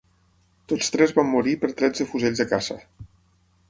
Tots tres van morir per trets de fusells de caça.